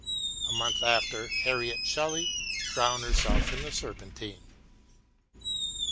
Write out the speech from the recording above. A month after, Harriet Shelley drowned herself in the Serpentine.